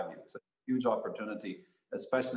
ini adalah kesempatan besar